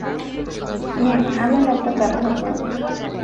নিন, আমার ল্যাপটপ ব্যবহার করুন।